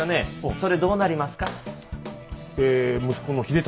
それどうなりますか？